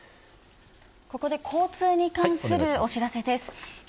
ここで交通に関するお知らせです。